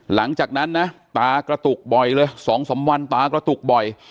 หลังจากนั้นนะตากระตุกบ่อยเลย๒๓วันตากระตุกบ่อย